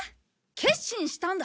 決心したんだ。